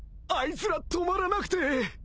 あいつら止まらなくて。